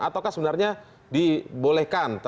ataukah sebenarnya dibolehkan